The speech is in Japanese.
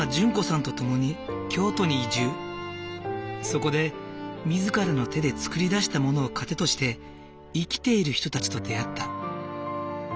そこで自らの手で作り出したものを糧として生きている人たちと出会った。